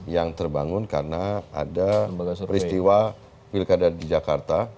yang terbangun karena ada peristiwa pilkada di jakarta